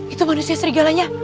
itu manusia serigalanya